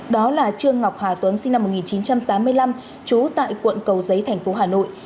đó là trương ngọc hà tuấn sinh năm một nghìn chín trăm tám mươi năm trú tại quận cầu giấy thành phố hà nội